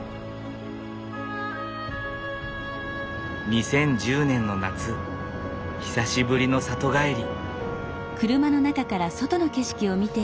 ２０１０年の夏久しぶりの里帰り。